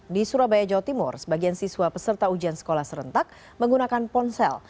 di surabaya jawa timur sebagian siswa peserta ujian sekolah serentak menggunakan ponsel